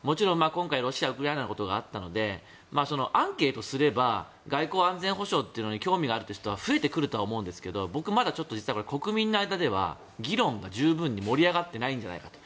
今回、ロシアウクライナのことがあったのでアンケートすれば外交・安全保障というのに興味がある人は増えてくるとは思いますが僕、まだ実は国民の間では議論が十分に盛り上がっていないんじゃないかと。